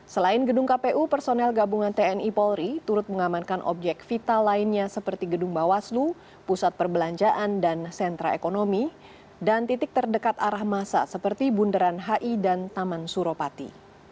selain gedung kpu personel gabungan tni polri turut mengamankan objek vital lainnya seperti gedung bawaslu pusat perbelanjaan dan sentra ekonomi dan titik terdekat arah masa seperti bundaran hi dan taman suropati